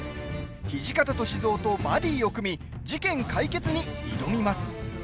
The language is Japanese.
土方歳三とバディを組み事件解決に挑みます。